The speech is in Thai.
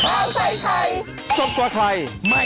โปรดติดตามตอนต่อไป